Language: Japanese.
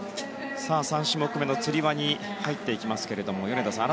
３種目目のつり輪に入っていきますが米田さん